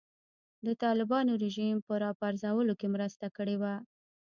د طالبانو رژیم په راپرځولو کې مرسته کړې وه.